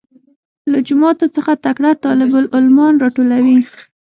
له جوماتو څخه تکړه طالب العلمان راټولوي.